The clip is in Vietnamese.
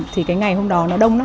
thì cái ngày hôm đó nó đông lắm